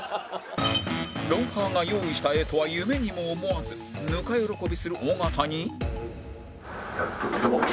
『ロンハー』が用意した画とは夢にも思わずぬか喜びする尾形に